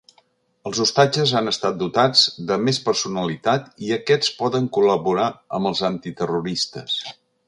Els ostatges han estat dotats de més personalitat i aquests poden col·laborar amb els antiterroristes.